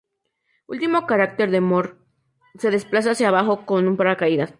Último carácter de Moore se desplaza hacia abajo con un paracaídas.